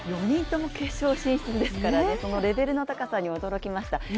４人とも決勝進出ですからね、そのレベルの高さに驚きました。